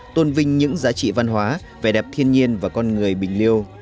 tôn vinh những giá trị văn hóa vẻ đẹp thiên nhiên và con người bình liêu